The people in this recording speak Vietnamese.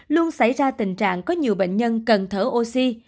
luôn xảy ra tình trạng có nhiều bệnh nhân cần thở oxy